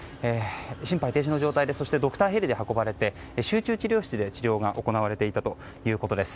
心肺停止の状態でそしてドクターヘリで運ばれて集中治療室で治療が行われていたということです。